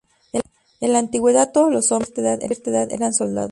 En la antigüedad todos los hombres, desde cierta edad, eran soldados.